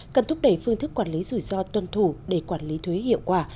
cần thúc đẩy phương thức quản lý rủi ro tuân thủ để quản lý thuế hiệu quả